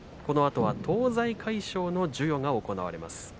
このあとは東西会賞の授与が行われます。